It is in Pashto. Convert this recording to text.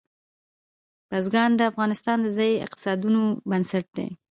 بزګان د افغانستان د ځایي اقتصادونو بنسټ دی.